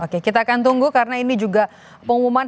oke kita akan tunggu karena ini juga pengumuman